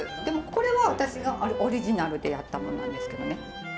でもこれは私がオリジナルでやったものなんですけどね。